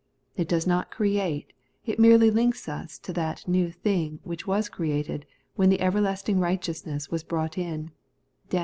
It does not create ; it merely links us to that new thing which was created when the ' everlasting righteous ness * was brought in (Dan.